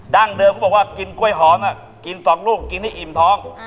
ั้งเดิมเขาบอกว่ากินกล้วยหอมกิน๒ลูกกินให้อิ่มท้อง